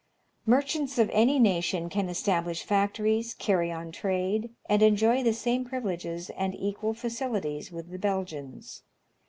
Merchants of any nation can establish factories, carry on trade, and enjoy the same privileges and equal facilities with the Belgians.